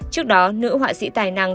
trước đó nữ họa sĩ tài năng